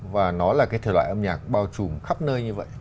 và nó là cái thể loại âm nhạc bao trùm khắp nơi như vậy